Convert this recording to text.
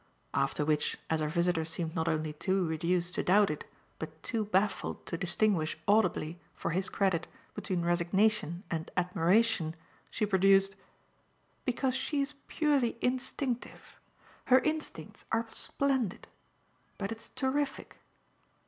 After which, as her visitor seemed not only too reduced to doubt it, but too baffled to distinguish audibly, for his credit, between resignation and admiration, she produced: "Because she's purely instinctive. Her instincts are splendid but it's terrific."